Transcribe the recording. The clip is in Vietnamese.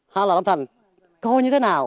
hoặc là lâm thành coi như thế nào